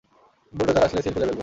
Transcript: Bulldozer আসলে, seal খুলে ফেলবো।